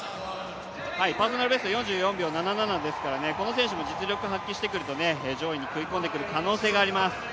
パーソナルベスト４４秒７７ですから、この選手も実力を発揮してくると上位に食い込んでくる可能性があります。